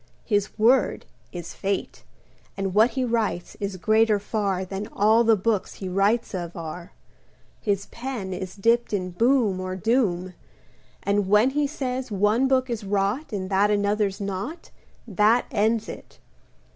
His word is Fate, And what he writes Is greater far Than all the books He writes of are. His pen Is dipped in boom Or doom; And when He says one book is rot, And that another's not, That ends it.